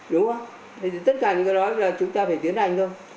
đúng không tất cả những cái đó chúng ta phải tiến hành thôi